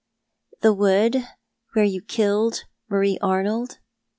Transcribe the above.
" The wood where you killed Marie Arnold